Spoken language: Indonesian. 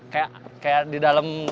kayak di dalam